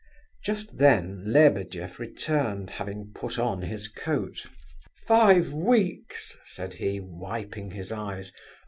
Just then Lebedeff returned, having put on his coat. "Five weeks!" said he, wiping his eyes.